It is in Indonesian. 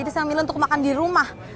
saya minum untuk makan di rumah